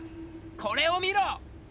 これを見ろ！